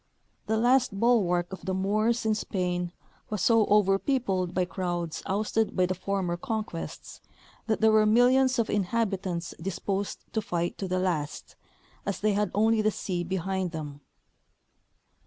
The last bulwark of the Moors in Spain was so over peopled by crowds ousted by the former conquests that there were millions of inhabitants disposed to fight to the last, as they had only the sea behind them.